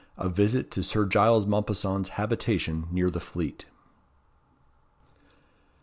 A visit to Sir Giles Mompesson's habitation near the fleet.